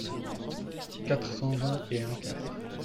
quatre cent vingt et un-quatre.